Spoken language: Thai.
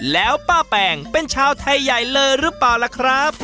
แล้วป้าแปงเป็นชาวไทยใหญ่เลยหรือเปล่าล่ะครับ